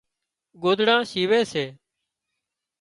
ڳوۮڙان شيوي سي